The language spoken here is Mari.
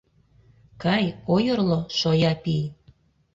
— Кай, ойырло... шоя пий!